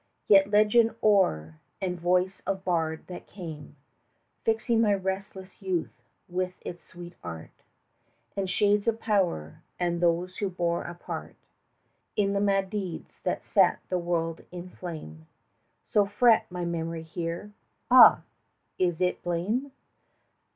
Yet legend hoar, and voice of bard that came Fixing my restless youth with its sweet art, And shades of power, and those who bore a part 5 In the mad deeds that set the world in flame, So fret my memory here, ah! is it blame?